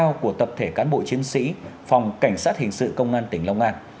tội phạm của tập thể cán bộ chiến sĩ phòng cảnh sát hình sự công an tỉnh long an